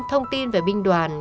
thông tin về binh đoàn